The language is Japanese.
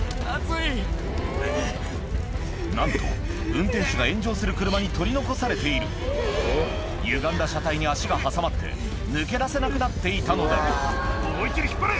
なんと運転手が炎上する車に取り残されているゆがんだ車体に足が挟まって抜け出せなくなっていたのだ思い切り引っ張れ！